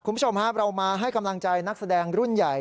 คุณผู้ชมครับเรามาให้กำลังใจนักแสดงรุ่นใหญ่